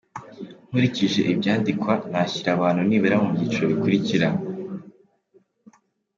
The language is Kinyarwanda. Nkurikije ibyandikwa nashyira abantu nibura mu byiciro bikurikira :